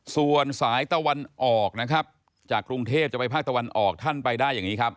ส่วนสายตะวันออกนะครับจากกรุงเทพจะไปภาคตะวันออกท่านไปได้อย่างนี้ครับ